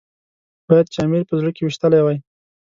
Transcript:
باید چې امیر یې په زړه کې ويشتلی وای.